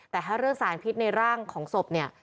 แต่ถ้าเรื่องสารพิษในร่างของศพเนี่ย